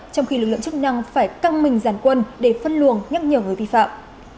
trong khi lực lượng chức năng phải căng mình giàn quân để phân luồng nhắc nhở người vi phạm